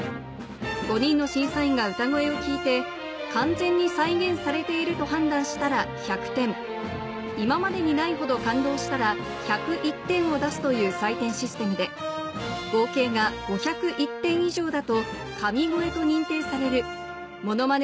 ５人の審査員が歌声を聴いて「完全に再現されている」と判断したら１００点今までにないほど感動したら１０１点を出すという採点システムで合計が５０１点以上だと「神声」と認定されるモノマネ